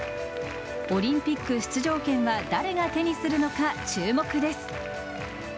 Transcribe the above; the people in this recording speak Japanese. オリンピック出場権は誰が手にするのか注目です。